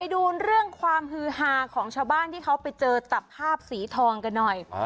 ดูเรื่องความฮือฮาของชาวบ้านที่เขาไปเจอจับภาพสีทองกันหน่อย